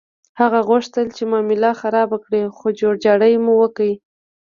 هغه غوښتل چې معامله خرابه کړي، خو جوړجاړی مو وکړ.